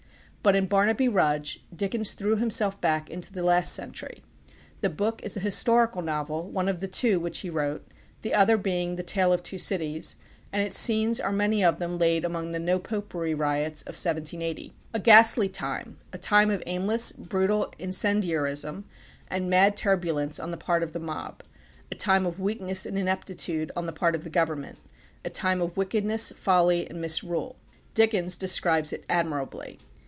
But in "Barnaby Rudge," Dickens threw himself back into the last century. The book is a historical novel, one of the two which he wrote, the other being the "Tale of Two Cities," and its scenes are many of them laid among the No Popery Riots of 1780. A ghastly time, a time of aimless, brutal incendiarism and mad turbulence on the part of the mob; a time of weakness and ineptitude on the part of the Government; a time of wickedness, folly, and misrule. Dickens describes it admirably.